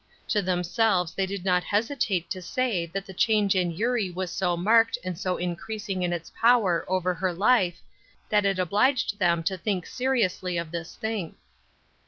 To themselves they did not hesitate to say that the change in Eurie was so marked and so increasing in its power over her life, that it obliged them to think seriously of this thing.